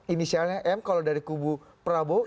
inisialnya m kalau dari kubu prabowo